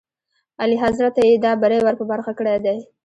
اعلیحضرت ته یې دا بری ور په برخه کړی دی.